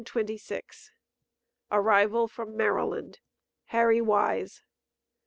ARRIVAL FROM MARYLAND. HARRY WISE.